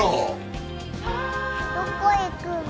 どこへ行くの？